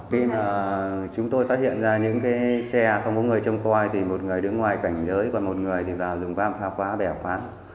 khi chúng tôi phát hiện ra những xe không có người trong khoai thì một người đứng ngoài cảnh giới và một người vào rừng vang pha khóa bẻ khoáng